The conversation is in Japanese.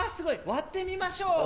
割ってみましょう。